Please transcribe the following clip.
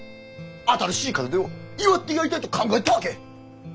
新しい門出を祝ってやりたいと考えたわけ！